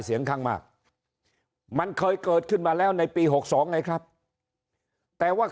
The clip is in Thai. เสียงข้างมากมันเคยเกิดขึ้นมาแล้วในปี๖๒ไงครับแต่ว่า